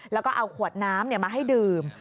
แล้วก็เอาขวดน้ำมาให้ดื่ม